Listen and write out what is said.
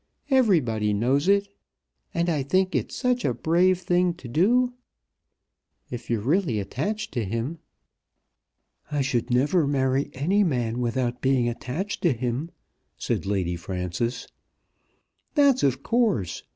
Everybody knows it. And I think it such a brave thing to do, if you're really attached to him!" "I should never marry any man without being attached to him," said Lady Frances. "That's of course!